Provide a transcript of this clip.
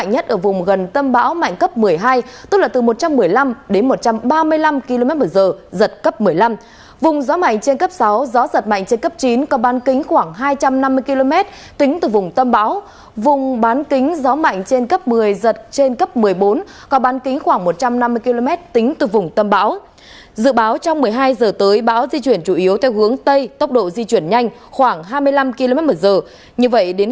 một mươi bốn h tiếp theo báo di chuyển chủ yếu theo hướng tây tốc độ di chuyển nhanh hai mươi năm kmh